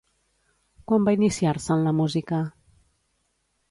Quan va iniciar-se en la música?